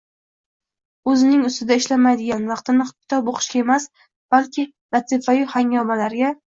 o‘zining ustida ishlamaydigan, vaqtini kitob o‘qishga emas, balki latifa-yu hangomalarga